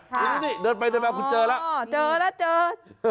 ที่นี่เดินไปที่นี่แล้วคุณเจอแล้วอ๋อเจอแล้ว